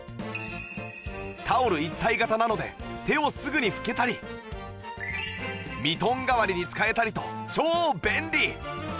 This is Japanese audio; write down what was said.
タオル一体型なので手をすぐに拭けたりミトン代わりに使えたりと超便利